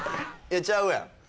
ちゃうやん。